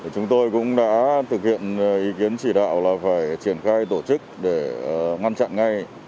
chúng tôi cũng đã thực hiện ý kiến chỉ đạo là phải triển khai tổ chức để ngăn chặn ngay